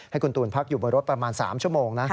ให้คุณตูนพักอยู่บนรถประมาณ๓ชั่วโมงนะ